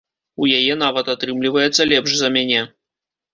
У яе нават атрымліваецца лепш за мяне.